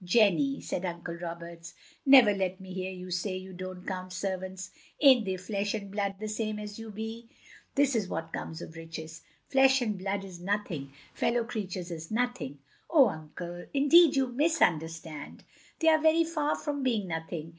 "Jenny," said Uncle Roberts, "never let me hear you say you don't count servants. Ain't they flesh and blood the same as you be? This is what comes of riches. Flesh and blood is nothing. Fellow creatures is nothing." " Oh, Uncle, indeed you misunderstand. They are very far from being nothing.